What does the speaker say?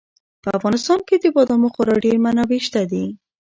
په افغانستان کې د بادامو خورا ډېرې منابع شته دي.